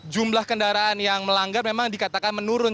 jumlah kendaraan yang melanggar memang dikatakan menurun